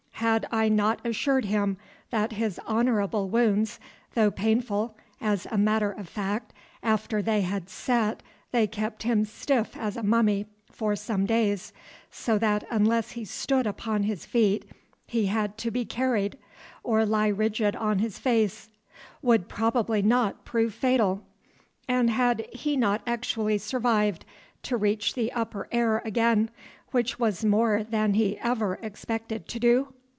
Had I not assured him that his honourable wounds, though painful (as a matter of fact, after they had set, they kept him stiff as a mummy for some days, so that unless he stood upon his feet, he had to be carried, or lie rigid on his face) would probably not prove fatal? And had he not actually survived to reach the upper air again, which was more than he ever expected to do?